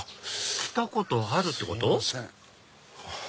来たことあるってこと？